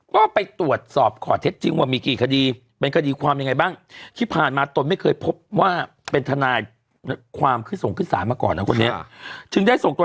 ก็ไปตรวจสอบขอเท็จจริงว่ามีกี่คดีเป็นคดีความยังไงบ้าง